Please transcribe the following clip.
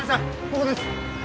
ここです。